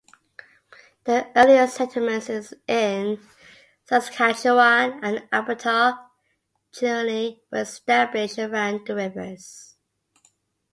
The earliest settlements in Saskatchewan and Alberta generally were established around the rivers.